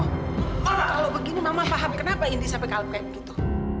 kalau begini mama paham kenapa inti sampai kalau kayak begitu